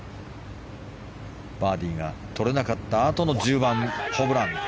バーディーがとれなかったあとの１０番、ホブラン。